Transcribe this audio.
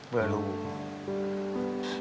เพื่อลูก